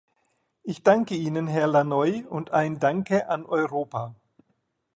Ich danke Ihnen, Herr Lannoye, und ein Danke an Europa!